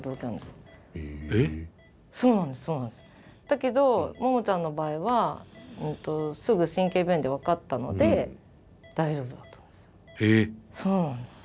だけどモモちゃんの場合はすぐ神経病院で分かったので大丈夫だったんです。